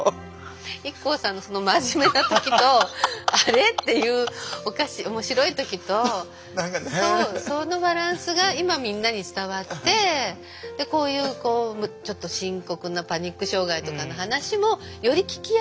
ＩＫＫＯさんのその真面目な時と「あれ？」っていう面白い時とそのバランスが今みんなに伝わってでこういうちょっと深刻なパニック障害とかの話もより聞きやすく。